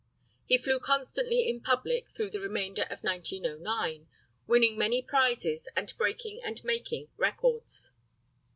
He flew constantly in public through the remainder of 1909, winning many prizes and breaking and making records.